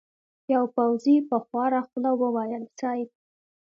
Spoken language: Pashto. يوه پوځي په خواره خوله وويل: صېب!